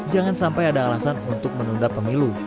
jangan sampai ada alasan untuk menunda pemilu